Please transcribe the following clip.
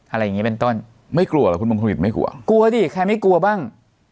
อะไรอย่างงี้เป็นต้นไม่กลัวหรอคุณบังคุณหิตไม่กลัวกลัวดิแค่ไม่กลัวบ้าง